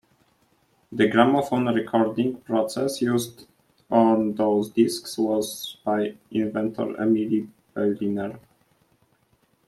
The gramophone recording process used on these discs was by inventor Emile Berliner.